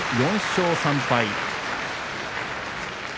４勝３敗。